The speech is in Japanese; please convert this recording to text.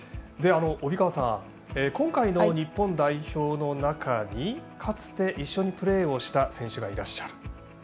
今回の日本代表の中にかつて一緒にプレーをした選手がいらっしゃる。